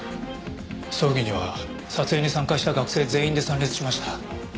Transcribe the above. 葬儀には撮影に参加した学生全員で参列しました。